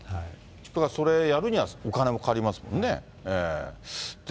それやるには、お金もかかりますもんね。